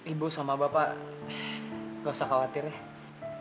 ibu sama bapak nggak usah khawatir ya